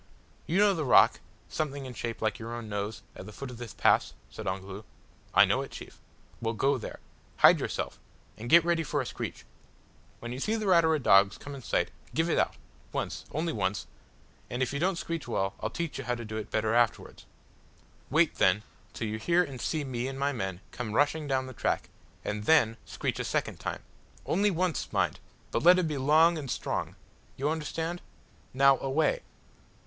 "You know the rock, something in shape like your own nose, at the foot of this pass?" said Ongoloo. "I know it, chief." "Well, go there; hide yourself, and get ready for a screech. When you see the Ratura dogs come in sight, give it out once only once, and if you don't screech well, I'll teach you how to do it better afterwards. Wait then till you hear and see me and my men come rushing down the track, and then screech a second time. Only once, mind! but let it be long and strong. You understand? Now away!"